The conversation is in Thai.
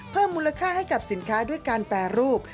เพิ่มมูลค่าให้กับสินค้าด้วยการแปรรูป